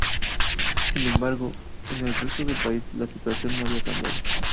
Sin embargo, en el resto del país la situación no había cambiado.